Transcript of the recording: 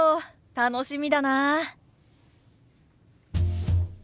楽しみだなあ。